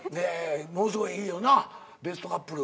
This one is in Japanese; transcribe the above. ものすごいいいよなベストカップル。